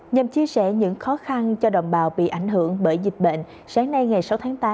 nhằm chia sẻ những khó khăn cho đồng bào bị ảnh hưởng bởi dịch bệnh sáng nay ngày sáu tháng tám